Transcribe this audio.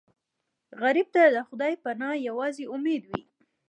غریب ته د خدای پناه یوازینی امید وي